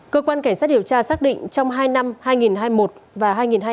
cơ quan cảnh sát điều tra xác định trong hai năm hai nghìn hai mươi một và hai nghìn hai mươi ba